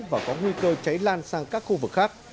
và có nguy cơ cháy lan sang các khu vực khác